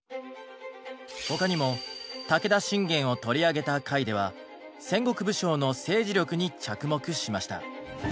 他にも武田信玄を取り上げた回では戦国武将の政治力に着目しました。